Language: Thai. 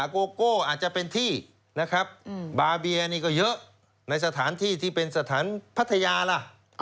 โกโก้อาจจะเป็นที่นะครับบาเบียนี่ก็เยอะในสถานที่ที่เป็นสถานพัทยาล่ะ